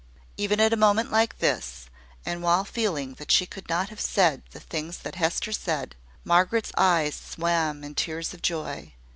Even at a moment like this, and while feeling that she could not have said the things that Hester said, Margaret's eyes swam in tears of joy.